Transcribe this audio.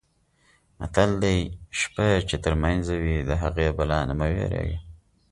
متل دی: شپه یې چې ترمنځه وي د هغې بلا نه مه وېرېږه.